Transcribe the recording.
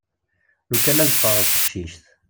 Lukan ad ffɣeɣ d teqcict.